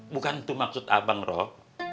bukan itu maksud abang roh